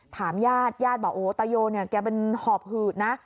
ถามญาติญาติบอกโอ้ตายโยเนี่ยแกเป็นหอบหืดนะ